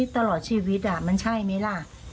ตลอดชีวิตมันใช่ไหมล่ะ